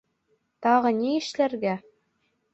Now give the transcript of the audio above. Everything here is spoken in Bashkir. Тағы ни эшләргә?